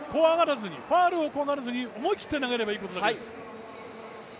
ファウルを怖がらずに思い切って投げればいいことです。